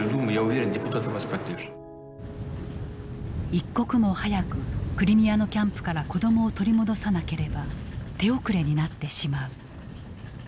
一刻も早くクリミアのキャンプから子どもを取り戻さなければ手遅れになってしまう。